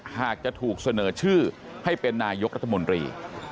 หากจะถูกเสนอชื่อให้เป็นนายกรัฐมนตรี